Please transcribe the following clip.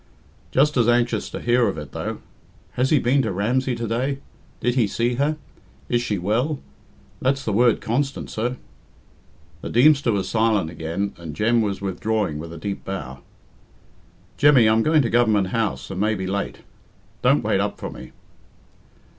"Just as anxious to hear of it, though. 'Has he been to Ramsey to day? Did he see her? Is she well?' That's the word constant, sir." The Deemster was silent again, and Jem was withdrawing with a deep bow. "Jemmy, I'm going to Government House, and may be late. Don't wait up for me."